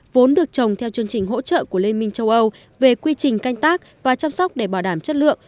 vốn được trồng theo chương trình hỗ trợ của liên minh châu âu về quy trình canh tác và chăm sóc để bảo đảm chất lượng